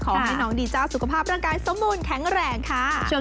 ขอให้น้องดีเจ้าสุขภาพร่างกายสมบูรณ์แข็งแรงค่ะ